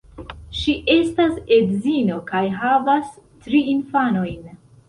Ŝi estas edzino kaj havas tri infanojn.